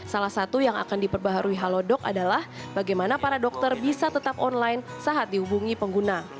salah satu yang akan diperbaharui halodoc adalah bagaimana para dokter bisa tetap online saat dihubungi pengguna